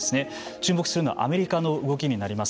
注目するのはアメリカの動きになります。